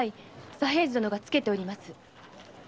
左平次殿がつけております。